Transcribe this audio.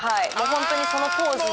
ホントにその当時の。